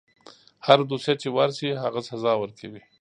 هره دوسیه چې ورشي هغه سزا ورکوي.